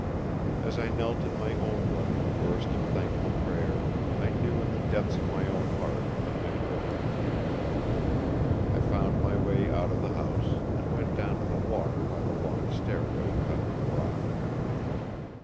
As I knelt in my own room in a burst of thankful prayer, I knew in the depths of my own heart the measure of my fear. I found my way out of the house, and went down to the water by the long stairway cut in the rock.